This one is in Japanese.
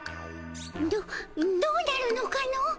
どどうなるのかの？